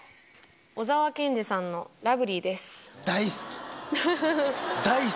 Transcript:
小沢健二さんのラブリーです。